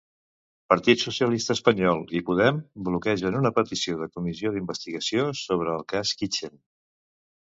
Partit Socialista Espanyol i Podem bloquegen una petició de comissió d'investigació sobre el cas 'Kitchen'